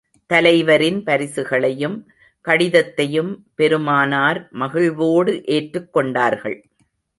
தலைவரின் பரிசுகளையும், கடிதத்தையும் பெருமானார் மகிழ்வோடு ஏற்றுக் கொண்டார்கள்.